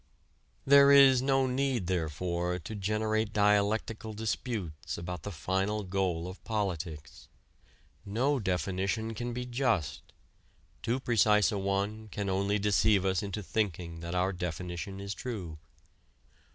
There is no need, therefore, to generate dialectical disputes about the final goal of politics. No definition can be just too precise a one can only deceive us into thinking that our definition is true.